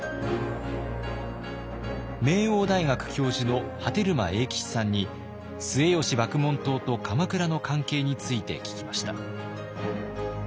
名桜大学教授の波照間永吉さんに末吉麦門冬と鎌倉の関係について聞きました。